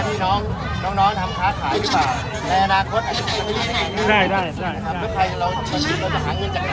เรื่องของเรื่องสิทธิเรียนเรื่องของเรื่องของเรื่องสงสัย